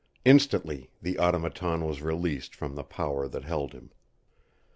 Instantly the Automaton was released from the power that held him.